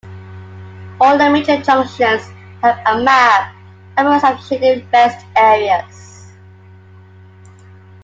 All the major junctions have a map and most have shaded rest areas.